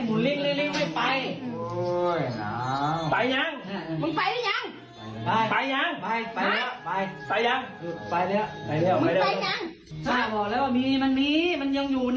มึงไปยังไม่อยู่บ้านลูกเศร้ามึงพูด